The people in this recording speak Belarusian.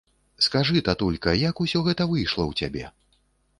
Скажы, татулька, як усё гэта выйшла ў цябе?